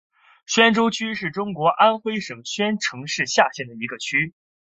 宣州区是中国安徽省宣城市下辖的一个区。